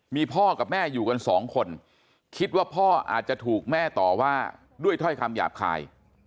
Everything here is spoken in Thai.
มีพ่อกับแม่อยู่กันสองคนคิดว่าพ่ออาจจะถูกแม่ต่อว่าด้วยถ้อยคำหยาบคาย